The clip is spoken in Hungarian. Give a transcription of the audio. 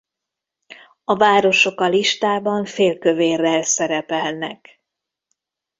A városok a listában félkövérrel szerepelnek.